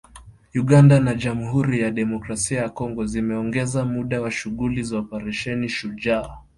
Uganda na Jamuhuri ya Demokrasia ya Kongo zimeongeza muda wa shughuli za Operesheni Shujaa